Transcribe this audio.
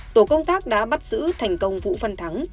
tổ công tác đã bắt giữ thành công vũ văn thắng